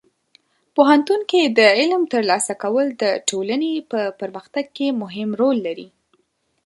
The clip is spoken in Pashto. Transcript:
پوهنتون کې د علم ترلاسه کول د ټولنې په پرمختګ کې مهم رول لري.